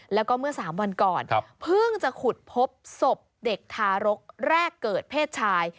แล้วก็เมื่อ๓วันก่อนเพิ่งจะขุดพบศพเด็กทารกแรกเกิดเพศชาย